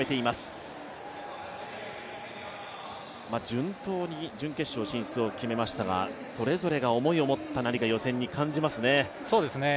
順当に準決勝進出を決めましたが、それぞれが思いを持った予選に感じますね。